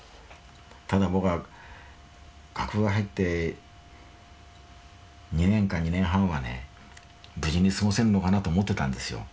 ただ僕は学部入って２年か２年半はね無事に過ごせるのかなと思ってたんですよ。